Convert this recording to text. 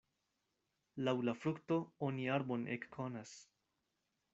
Laŭ la frukto oni arbon ekkonas.